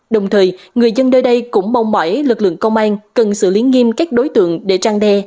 đồng thời người dân nơi đây cũng mong mỏi lực lượng công an cần xử lý nghiêm các đối tượng để trang đe